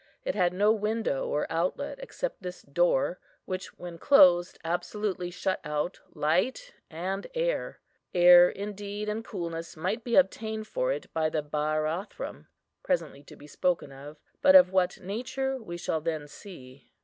It had no window or outlet, except this door, which, when closed, absolutely shut out light and air. Air, indeed, and coolness might be obtained for it by the barathrum, presently to be spoken of, but of what nature we shall then see.